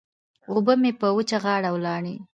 اوبه مې په وچه غاړه ولاړې.